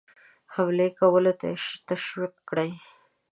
حملې کولو ته یې تشویق کړي.